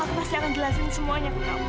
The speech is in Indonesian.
aku pasti akan jelasin semuanya ke kamu